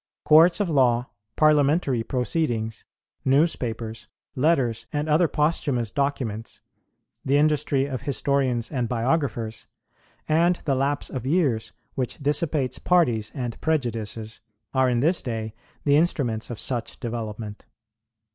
Courts of law, Parliamentary proceedings, newspapers, letters and other posthumous documents, the industry of historians and biographers, and the lapse of years which dissipates parties and prejudices, are in this day the instruments of such development.